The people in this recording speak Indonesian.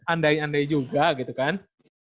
andai andai juga gitu kan